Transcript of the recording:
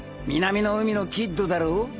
南の海のキッドだろ。